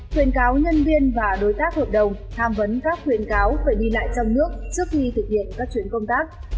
khuyên cáo nhân viên và đối tác hợp đồng tham vấn các khuyên cáo phải đi lại trong nước trước khi thực hiện các chuyến công tác